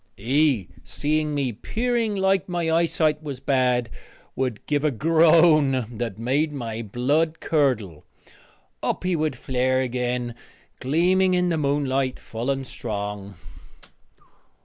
He, seeing me peering like my eyesight was bad, would give a groan that made my blood curdle. Up he would flare again, gleaming in the moonlight full and strong.